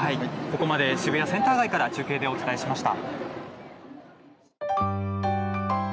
ここまで渋谷センター街から中継でお伝えしました。